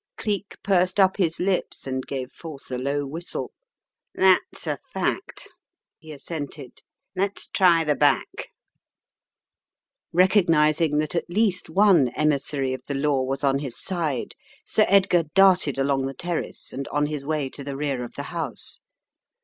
Cleek pursed up his lips and gave forth a low whistle. "That's a fact," he assented. "Let's try the back." Recognizing that at least one emissary of the law was on his side, Sir Edgar darted along the terrace and on his way to the rear of the house.